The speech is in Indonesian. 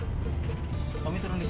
kau harus berhati hati